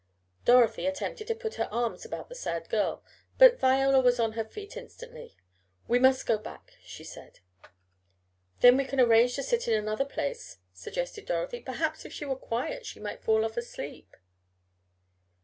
Dorothy attempted to put her arms about the sad girl, but Viola was on her feet instantly. "We must go back," she said. "Then we can arrange to sit in another place," suggested Dorothy. "Perhaps if she were quiet she might fall off asleep."